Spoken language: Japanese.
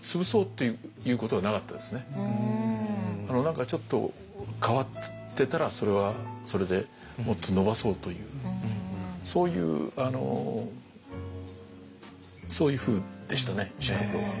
何かちょっと変わってたらそれはそれでもっと伸ばそうというそういうそういうふうでしたね石原プロは。